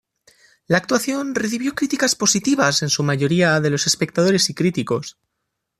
La actuación recibió críticas positivas en su mayoría de los espectadores y críticos.